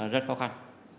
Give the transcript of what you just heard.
rất khó khăn